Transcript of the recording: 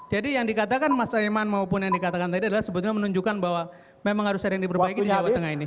jadi yang dikatakan mas saiman maupun yang dikatakan tadi adalah sebetulnya menunjukkan bahwa memang harus ada yang diperbaiki di jawa tengah ini